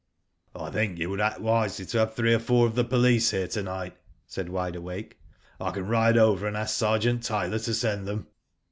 " I think you would act wisely to have three or four of the police here to night," said Wide Awake. '' I can ride over and ask Sergeant Tyler to send them."